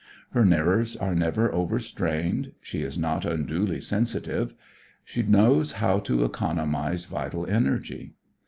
Her nerves are never overstrained; she is not unduly sensitive; she knows how to economize vital energy.